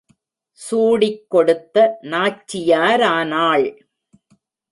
சூடிக் கொடுத்த நாச்சியாரானாள்.